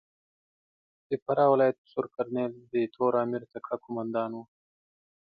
د فراه ولایت سور کرنېل د تور امیر تکړه کومندان ؤ.